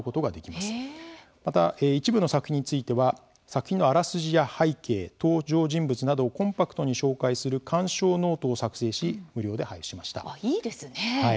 また、一部の作品については作品のあらすじや背景登場人物などをコンパクトに紹介する鑑賞ノートを作成しいいですね。